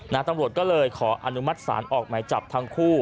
ตำรวจก็เลยขออนุมัติศาลออกหมายจับทั้งคู่